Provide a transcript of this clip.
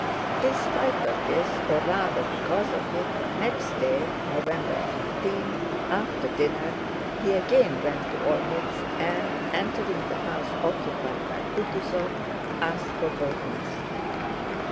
In spite of this, or rather because of it, next day, November 15, after dinner he again went to Olmütz and, entering the house occupied by Kutúzov, asked for Bolkónski.